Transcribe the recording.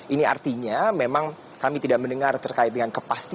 ini artinya memang kami tidak mendengar terkait dengan kepastian